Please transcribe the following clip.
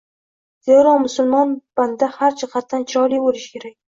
Zero, musulmon banda har jihatdan chiroyli bo‘lishi kerak.